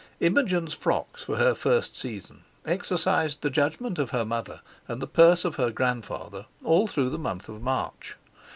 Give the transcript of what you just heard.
Imogen's frocks for her first season exercised the judgment of her mother and the purse of her grandfather all through the month of March.